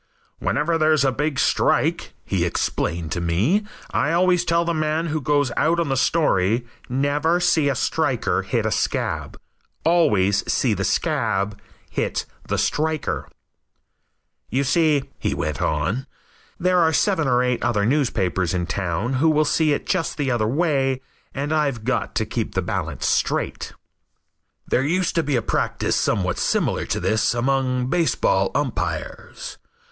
"Whenever there's a big strike," he explained to me, "I always tell the man who goes out on the story, 'Never see a striker hit a scab. Always see the scab hit the striker.'" "You see," he went on, "there are seven or eight other newspapers in town who will see it just the other way and I've got to keep the balance straight." There used to be a practice somewhat similar to this among baseball umpires.